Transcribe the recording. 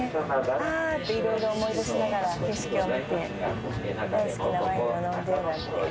「ああ」って色々思い出しながら景色を見て大好きなワインを飲んでなんて。